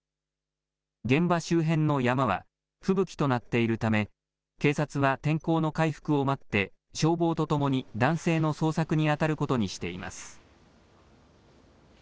現場周辺の山は、吹雪となっているため、警察は天候の回復を待って、消防とともに男性の捜索に当たることにしています。